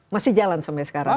masih jalan sampai sekarang